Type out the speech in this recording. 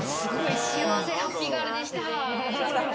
幸せハッピーガールでした。